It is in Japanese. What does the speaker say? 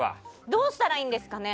どうしたらいいんですかね。